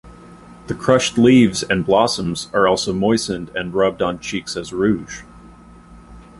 The crushed leaves and blossoms are also moistened and rubbed on cheeks as rouge.